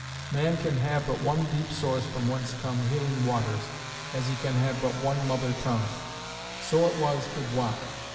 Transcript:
Man can have but one deep source from whence come healing waters, as he can have but one mother tongue. So it was with Watt.